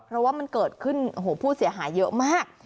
เพราะว่ามันเกิดขึ้นโอ้โหผู้เสียหายเยอะมาก